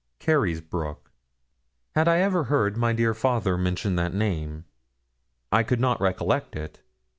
Carysbroke had I ever heard my dear father mention that name? I could not recollect it.